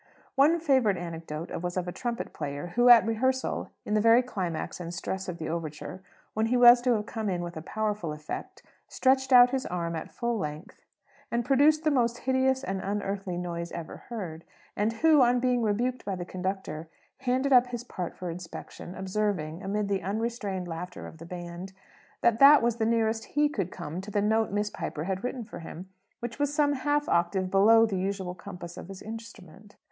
One favourite anecdote was of a trombone player who at rehearsal, in the very climax and stress of the overture, when he was to have come in with a powerful effect, stretched out his arm at full length, and produced the most hideous and unearthly noise ever heard; and who, on being rebuked by the conductor, handed up his part for inspection, observing, amid the unrestrained laughter of the band, that that was the nearest he could come to the note Miss Piper had written for him, which was some half octave below the usual compass of his instrument.